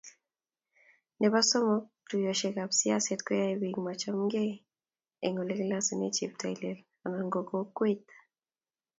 nebo somok, tuiyoshekab siaset koyae biik machamegei eng olegilosune cheptailel anan ko kokwet